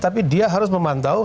tapi dia harus memantau